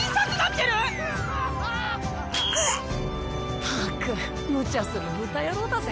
ったくむちゃする豚野郎だぜ。